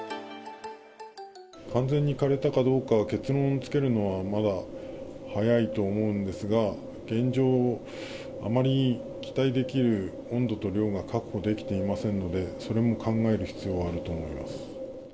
完全にかれたかどうか、結論付けるのはまだ早いと思うんですが、現状、あまり期待できる温度と量が確保できていませんので、それも考える必要があると思います。